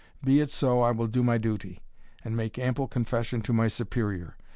Be it so, I will do my duty, and make ample confession to my Superior.